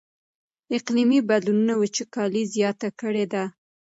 اقلیمي بدلونونو وچکالي زیاته کړې ده.